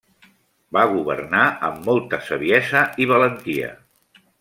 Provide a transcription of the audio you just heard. Va governar amb molta saviesa i valentia.